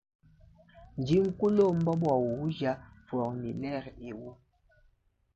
Ndi nkulomba bua uuja formilere ewu.